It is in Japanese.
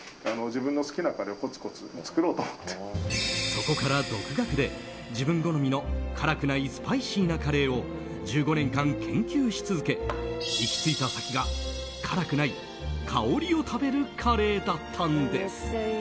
そこから独学で自分好みの辛くないスパイシーなカレーを１５年間、研究し続け行き着いた先が、辛くない香りを食べるカレーだったんです。